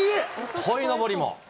こいのぼりも。